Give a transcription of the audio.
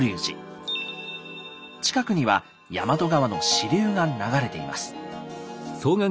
近くには大和川の支流が流れています。